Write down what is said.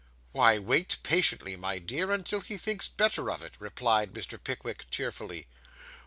'Why, wait patiently, my dear, until he thinks better of it,' replied Mr. Pickwick cheerfully.